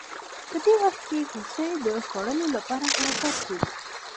په دې وخت کې هوسۍ د خوړو لپاره حرکت کوي